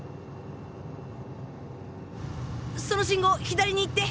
その信号左に行って！